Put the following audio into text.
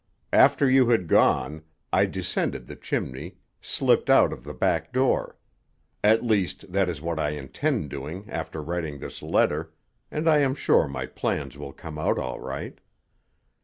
After you had gone, I descended the chimney, slipped out of the back door. At least, that is what I intend doing after writing this letter, and I am sure my plans will come out all right.